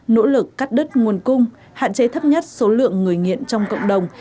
nỗ lực cắt đứt nguồn cung hạn chế thấp nhất số lượng người nghiện trong cộng đồng